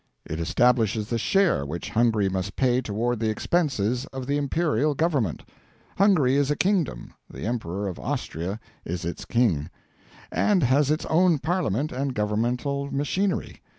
It establishes the share which Hungary must pay toward the expenses of the imperial Government. Hungary is a kingdom (the Emperor of Austria is its King), and has its own Parliament and governmental machinery.